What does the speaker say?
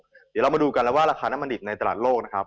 เดี๋ยวเรามาดูกันแล้วว่าราคาน้ำมันดิบในตลาดโลกนะครับ